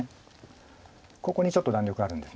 ここにちょっと弾力があるんです。